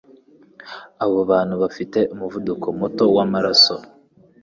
Abo bantu bafite umuvuduko muto w'amaraso